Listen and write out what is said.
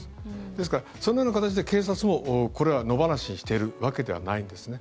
ですから、そのような形で警察もこれは野放しにしているわけではないんですね。